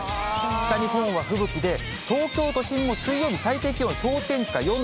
北日本は吹雪で、東京都心も水曜日、最低気温氷点下４度。